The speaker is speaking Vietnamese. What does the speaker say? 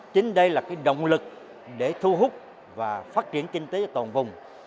chính đây là động lực để thu hút và phát triển kinh tế toàn vùng